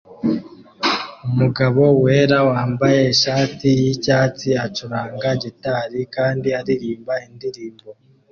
Umugabo wera wambaye ishati yicyatsi acuranga gitari kandi aririmba indirimbo